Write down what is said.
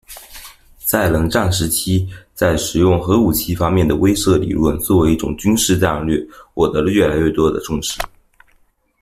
在冷战时期，在使用核武器方面的威慑理论作为一种军事战略获得了越来越多的重视。